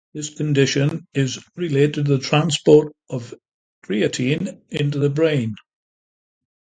This condition is related to the transport of creatine into the brain.